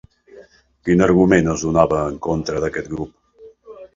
Quin argument es donava en contra d'aquest grup?